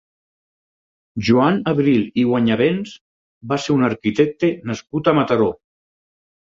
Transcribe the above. Joan Abril i Guanyabens va ser un arquitecte nascut a Mataró.